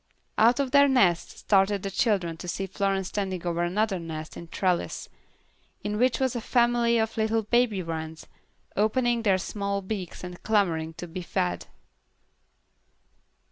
Out of their nests started the children to see Florence standing over another nest in a trellis, in which was a family of little baby wrens, opening their small beaks and clamoring to be fed.